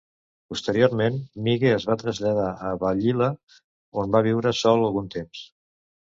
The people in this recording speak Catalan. Posteriorment, Mige es va traslladar a Vallila, on va viure sol algun temps.